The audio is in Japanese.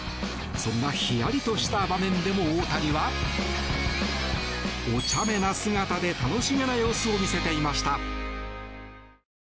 そんなヒヤリとした場面でも大谷はおちゃめな姿で楽しげな様子を見せていました。